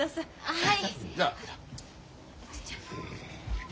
はい。